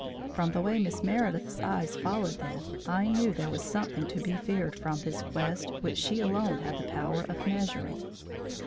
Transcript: From the way Miss Meredith's eyes followed them, I knew there was something to be feared from this quest which she alone had the power of measuring.